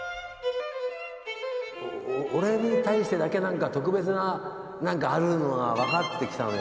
お俺に対してだけ何か特別な何かあるのが分かってきたのよ